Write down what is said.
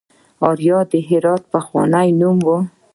اریا د هرات پخوانی نوم و